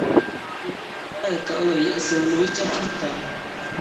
Domin bɛ daalikauli yiɣisibu ni bɛ chεfuritali.